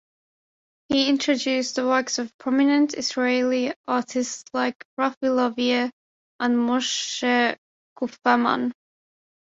He introduced the works of prominent Israeli artists like Raffi Lavie and Moshe Kupferman.